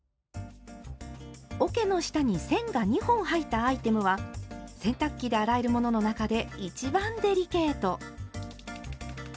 おけの下に線が２本入ったアイテムは洗濯機で洗えるものの中で一番デリケート。